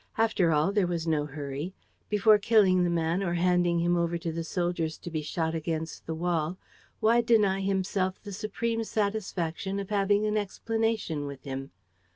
After all, there was no hurry. Before killing the man or handing him over to the soldiers to be shot against the wall, why deny himself the supreme satisfaction of having an explanation with him?